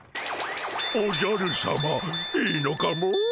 おじゃるさまいいのかモ？